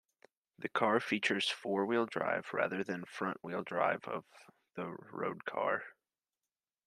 The car features four-wheel drive, rather than the front-wheel drive of the road car.